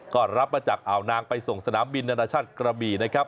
ก็รับมาจากอ่าวนางไปส่งสนามบินนานาชาติกระบี่นะครับ